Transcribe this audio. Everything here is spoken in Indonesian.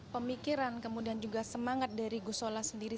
pemikiran kemudian juga semangat dari gusola sendiri